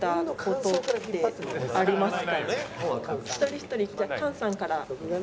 一人一人。